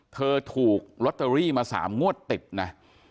เธอถูกลอตเตอรี่มา๓งวดติดนะ